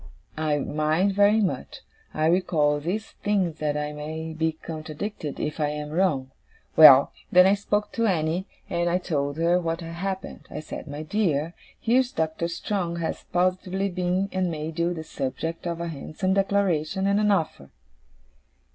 'I mind very much. I recall these things that I may be contradicted if I am wrong. Well! Then I spoke to Annie, and I told her what had happened. I said, "My dear, here's Doctor Strong has positively been and made you the subject of a handsome declaration and an offer."